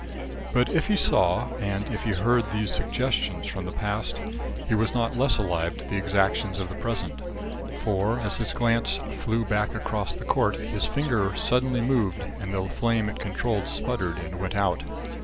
But if he saw, and if he heard these suggestions from the past, he was not less alive to the exactions of the present, for, as his glance flew back across the court, his finger suddenly moved and the flame it controlled sputtered and went out.